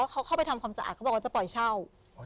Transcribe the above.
เขาเข้าไปทำความสะอาดเขาบอกว่าจะปล่อยเช่า